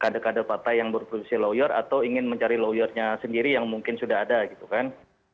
kader kader partai yang berproduksi lawyer atau ingin mencari lawyernya sendiri yang mungkin sudah ada gitu kan